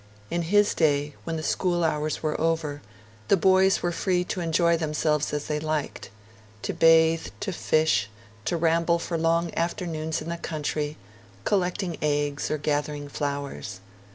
In his day, when the school hours were over, the boys were free to enjoy themselves as they liked; to bathe, to fish, to ramble for long afternoons in the country, collecting eggs or gathering flowers.